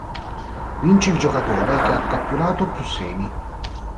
Vince il giocatore che ha catturato più semi.